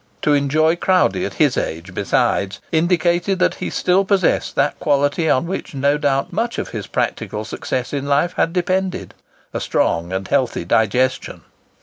To enjoy crowdie at his age, besides, indicated that he still possessed that quality on which no doubt much of his practical success in life had depended,—a strong and healthy digestion.